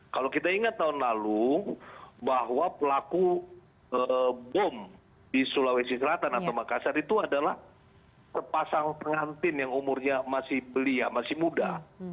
kalau kita ingat tahun lalu bahwa pelaku bom di sulawesi selatan atau makassar itu adalah sepasang pengantin yang umurnya masih belia masih muda